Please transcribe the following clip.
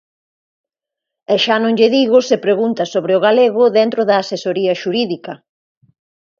E xa non lle digo se pregunta sobre o galego dentro da Asesoría Xurídica.